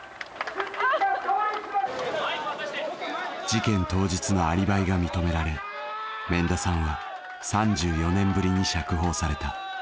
事件当日のアリバイが認められ免田さんは３４年ぶりに釈放された。